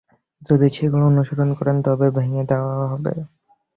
যদি সেগুলো অনুসরণ করেন তবে ভেঙ্গে দেওয়া হবে।